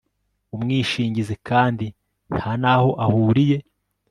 umwishingizi kandi nta n aho ahuriye